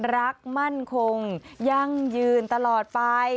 รักมั่นคงยั่งยืนตลอดไป